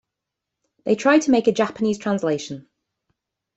They tried to make a Japanese translation.